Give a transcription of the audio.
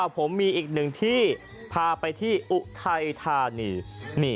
ผมมีอีกหนึ่งที่พาไปที่อุทัยธานี